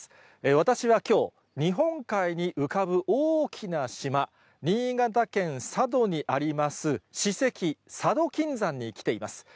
私はきょう、日本海に浮かぶ大きな島、新潟県佐渡にあります、史跡佐渡金山に来ています。